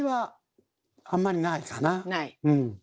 ない？